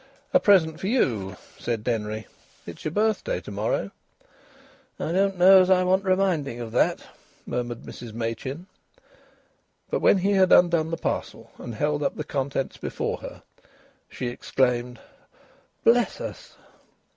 "A present for you," said Denry. "It's your birthday to morrow." "I don't know as I want reminding of that," murmured Mrs Machin. But when he had undone the parcel and held up the contents before her, she exclaimed: "Bless us!"